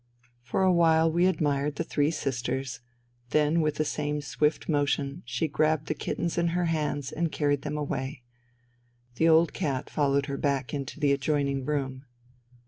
For a while we admired the '* three sisters "; then with the same swift motion, she grabbed the kittens in her hands and carried them away. The old cat followed her back into the adjoining room.